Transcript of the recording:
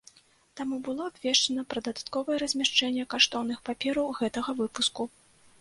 Таму было абвешчана пра дадатковае размяшчэнне каштоўных папераў гэтага выпуску.